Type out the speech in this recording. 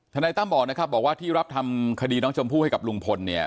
นายตั้มบอกนะครับบอกว่าที่รับทำคดีน้องชมพู่ให้กับลุงพลเนี่ย